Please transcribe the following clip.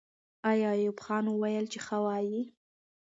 آیا ایوب خان وویل چې ښه وایي؟